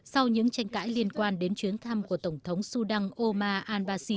sau những tranh cãi liên quan đến chuyến thăm của tổng thống sudan omar al basri